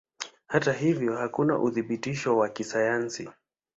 Hata hivyo hakuna uthibitisho wa kisayansi.